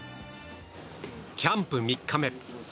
キャンプ３日目。